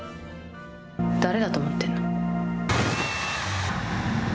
誰だと思ってんの？